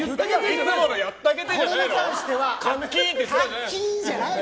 いつものやったげて！じゃないの？